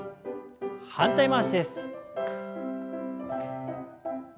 反対回しです。